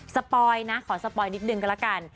ปอยนะขอสปอยนิดนึงก็แล้วกัน